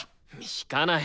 弾かない。